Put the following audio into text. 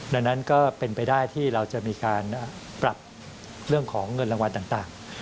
ดังนั้นก็เป็นไปได้ที่เราจะมีการปรับเรื่องของเงินรางวัลต่าง